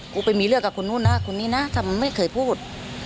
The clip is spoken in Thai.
ไปมีเรื่องกับคนนู้นนะคนนี้นะทำไมไม่เคยพูด